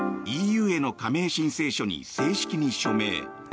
ＥＵへの加盟申請書に正式に署名。